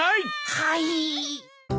はい。